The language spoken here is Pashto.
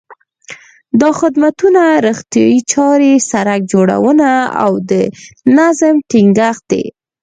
دا خدمتونه روغتیايي چارې، سړک جوړونه او د نظم ټینګښت دي.